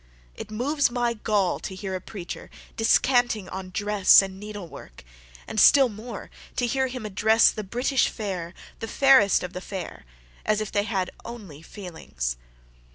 It moves my gall to hear a preacher descanting on dress and needle work; and still more, to hear him address the 'British fair, the fairest of the fair', as if they had only feelings.